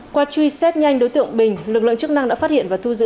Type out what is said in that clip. qua truy xét nhanh đối tượng bình lực lượng chức năng đã phát hiện và thu giữ